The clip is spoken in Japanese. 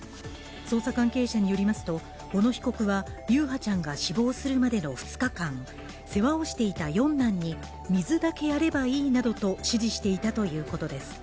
捜査関係者によりますと小野被告は優陽ちゃんが死亡するまでの２日間世話をしていた四男に、水だけやればいいなどと指示していたということです。